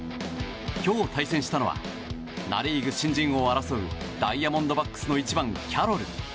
今日対戦したのはナ・リーグ新人王を争うダイヤモンドバックスの１番、キャロル。